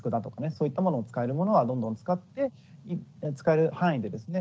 そういったものを使えるものはどんどん使って使える範囲でですね